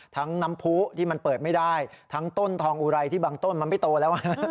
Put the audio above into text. ทั้งน้ำผู้ที่มันเปิดไม่ได้ทั้งต้นทองอุไรที่บางต้นมันไม่โตแล้ว